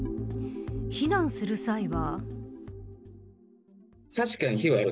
避難する際は。